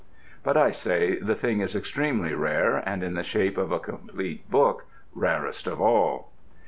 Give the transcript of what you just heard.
But, I say, the thing is extremely rare, and in the shape of a complete book rarest of all.